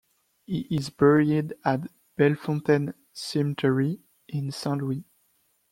He is buried at Bellefontaine Cemetery in Saint Louis.